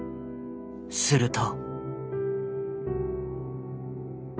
すると。